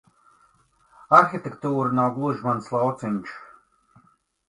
Arhitektūra nav gluži mans lauciņš.